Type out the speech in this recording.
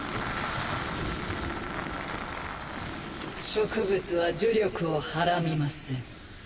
植物は呪力をはらみません。